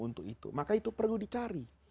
untuk itu maka itu perlu dicari